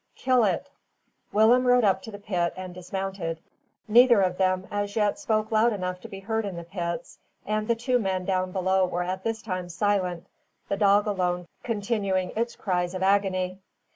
Kill it." Willem rode up to the pit and dismounted. Neither of them, as yet, spoke loud enough to be heard in the pits, and the two men down below were at this time silent, the dog alone continuing its cries of agony.